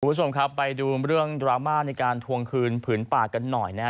คุณผู้ชมครับไปดูเรื่องดราม่าในการทวงคืนผืนป่ากันหน่อยนะฮะ